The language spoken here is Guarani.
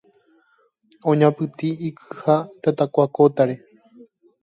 Oñapytĩ ikyha tatakua kótare